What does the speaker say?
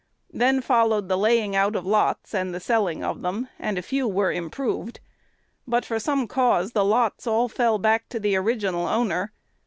Then followed the laying out of lots, and the selling of them, and a few were improved. But for some cause the lots all fell back to the original owner.